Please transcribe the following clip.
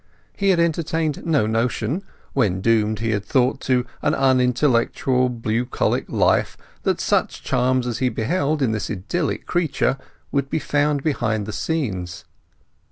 He had entertained no notion, when doomed as he had thought to an unintellectual bucolic life, that such charms as he beheld in this idyllic creature would be found behind the scenes.